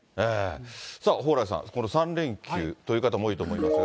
蓬莱さん、この３連休という方も多いと思うんですが。